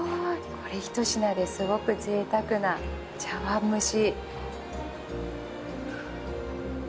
これひと品ですごくぜいたくな茶碗蒸し。